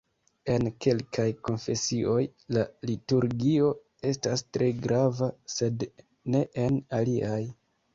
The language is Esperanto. En kelkaj konfesioj, la liturgio estas tre grava, sed ne en aliaj.